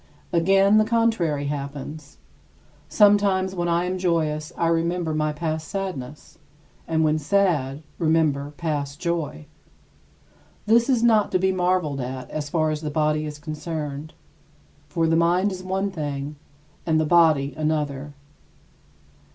Again, the contrary happens. Sometimes when I am joyous I remember my past sadness, and when sad, remember past joy. This is not to be marveled at as far as the body is concerned; for the mind is one thing and the body another.